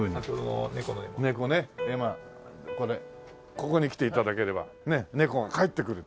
ここに来て頂ければ猫が帰って来るという。